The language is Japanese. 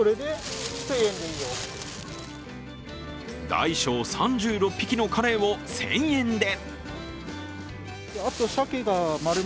大小３６匹のカレイを１０００円で。